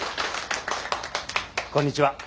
こんにちは。